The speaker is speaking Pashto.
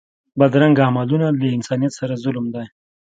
بدرنګه عملونه له انسانیت سره ظلم دی